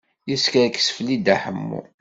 Yeskerkes fell-i Dda Ḥemmu.